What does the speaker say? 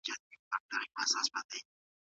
حکومت څنګه خپل راپور وړاندي کوي؟